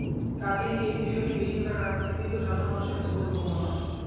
কাজেই এ বিষয়টি বেশির ভাগ রাজনীতিবিদ ও সাধারণ মানুষের কাছে বোধগম্য নয়।